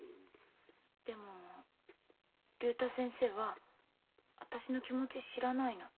でも竜太先生は私の気持ち知らないの。